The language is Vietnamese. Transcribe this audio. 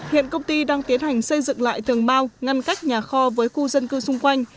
hiện công ty đang tiến hành xây dựng lại tường bao ngăn cách nhà kho với khu dân cư xung quanh